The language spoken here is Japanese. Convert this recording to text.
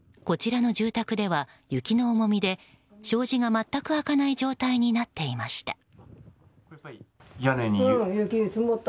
こちらの住宅では雪の重みで障子が全く開かない状態になっていました。